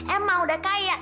emang udah kaya